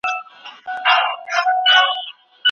که انسان خپلي تېروتنې ولیکي نو بیا یې نه تکراروي.